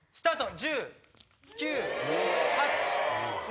１０９８７。